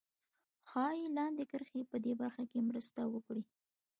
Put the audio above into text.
ښایي لاندې کرښې په دې برخه کې مرسته وکړي